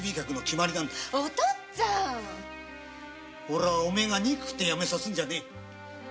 オラおめえが憎くて辞めさせるんじゃねえ。